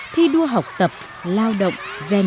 thi đua học tập lao động